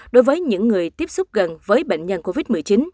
đối với những người tiếp xúc gần với bệnh nhân covid một mươi chín